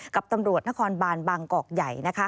กับตำรวจนครบานบางกอกใหญ่